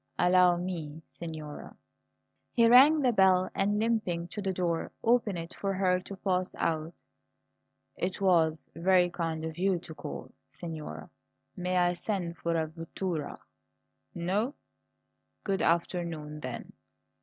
Allow me, signora!" He rang the bell, and, limping to the door, opened it for her to pass out. "It was very kind of you to call, signora. May I send for a vettura? No? Good afternoon, then!